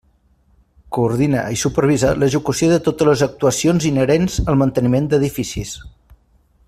Coordina i supervisa l'execució de totes les actuacions inherents al manteniment d'edificis.